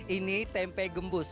ini tempe gembus